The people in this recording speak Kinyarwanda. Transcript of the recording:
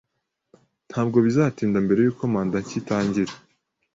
Ntabwo bizatinda mbere yuko manda nshya itangira.